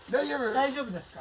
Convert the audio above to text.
大丈夫ですか？